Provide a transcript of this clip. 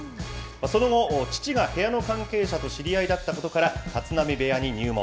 その後、父が部屋の関係者と知り合いだったことから、立浪部屋に入門。